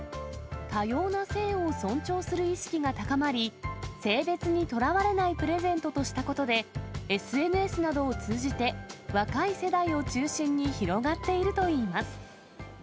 多様な性を尊重する意識が高まり、性別にとらわれないプレゼントとしたことで、ＳＮＳなどを通じて、若い世代を中心に広がっているといいます。